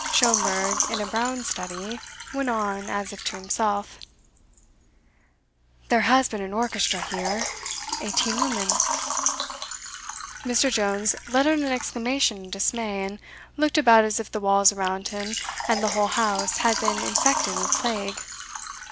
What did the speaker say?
Schomberg, in a brown study, went on, as if to himself: "There has been an orchestra here eighteen women." Mr Jones let out an exclamation of dismay, and looked about as if the walls around him and the whole house had been infected with plague.